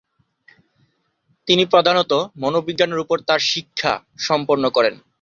তিনি প্রধানত মনোবিজ্ঞানের উপর তার শিক্ষা সম্পন্ন করেন।